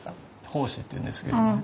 胞子っていうんですけどね